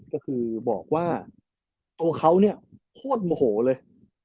ก็คือบอกว่าตัวเขาเนี่ยโคตรโมโหเลย